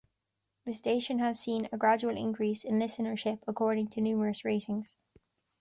The station has seen a gradual increase in listenership according to Numeris ratings.